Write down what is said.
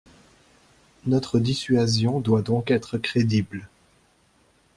Notre dissuasion doit donc être crédible.